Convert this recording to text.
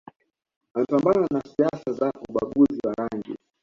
Alipambana na siasa za ubaguzi wa rangi